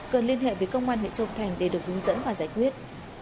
cần liên hệ với công an huyện châu thành để được hướng dẫn và giải quyết